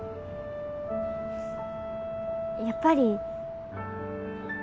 やっぱり。